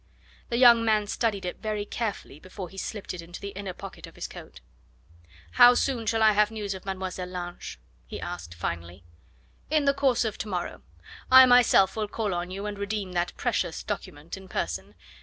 The young man studied it very carefully before he slipped it into the inner pocket of his coat. "How soon shall I have news of Mademoiselle Lange?" he asked finally. "In the course of to morrow. I myself will call on you and redeem that precious document in person.